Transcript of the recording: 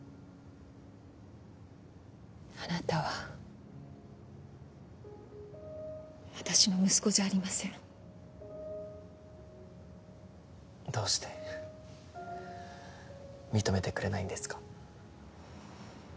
あなたは私の息子じゃありませんどうして認めてくれないんですか？